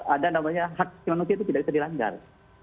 ada namanya hak manusia itu tidak bisa dilanggar